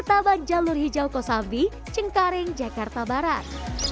taban jalur hijau kosambi cengkaring jakarta barat